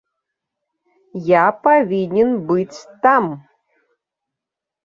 Я павінен быць там.